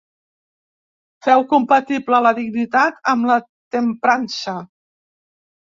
Feu compatible la dignitat amb la temprança.